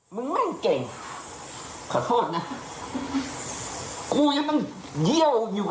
ฮะมึงจะกลับไปนี่กับกู